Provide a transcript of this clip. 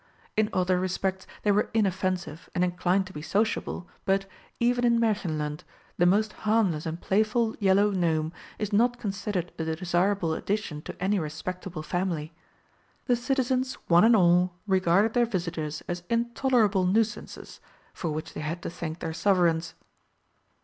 In other respects they were inoffensive and inclined to be sociable, but, even in Märchenland, the most harmless and playful Yellow Gnome is not considered a desirable addition to any respectable family. The citizens one and all regarded their visitors as intolerable nuisances for which they had to thank their Sovereigns.